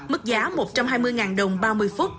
mức giá một trăm hai mươi đồng ba mươi phút